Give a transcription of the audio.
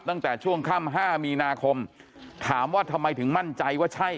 ตั้งแต่ช่วงค่ำ๕มีนาคมถามว่าทำไมถึงมั่นใจว่าใช่